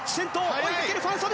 追いかけるファン・ソヌ。